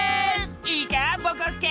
いいかぼこすけ！